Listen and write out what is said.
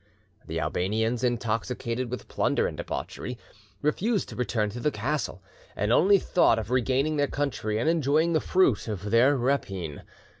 The Albanians, intoxicated with plunder and debauchery, refused to return to the castle, and only thought of regaining their country and enjoying the fruit of their rapine.